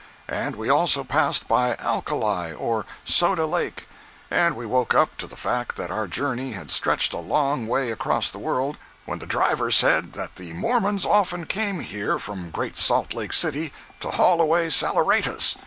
And we also passed by "Alkali" or "Soda Lake," and we woke up to the fact that our journey had stretched a long way across the world when the driver said that the Mormons often came there from Great Salt Lake City to haul away saleratus.